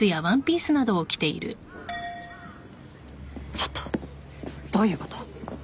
ちょっとどういうこと？